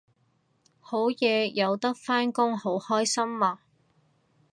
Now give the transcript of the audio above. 好嘢有得返工好開心啊！